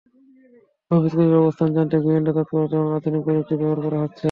অভিযুক্তদের অবস্থান জানতে গোয়েন্দা তৎপরতা এবং আধুনিক প্রযুক্তির ব্যবহার করা হচ্ছে।